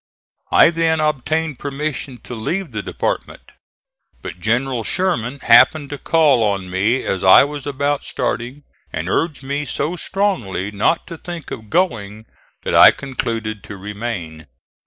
I then obtained permission to leave the department, but General Sherman happened to call on me as I was about starting and urged me so strongly not to think of going, that I concluded to remain.